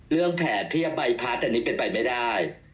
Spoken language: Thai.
แผลเทียบใบพัดอันนี้เป็นไปไม่ได้